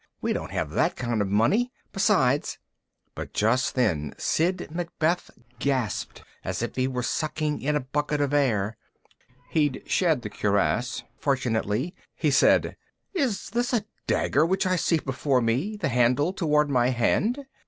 We don't have that kind of money. Besides_ But just then Sid Macbeth gasped as if he were sucking in a bucket of air. He'd shed the cuirass, fortunately. He said, "Is this a dagger which I see before me, the handle toward my hand?"